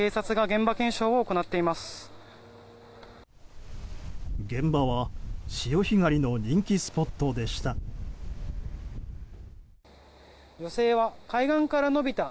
現場は潮干狩りの人気スポットでした。